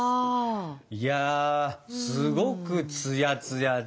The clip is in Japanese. いやすごくつやつやですね。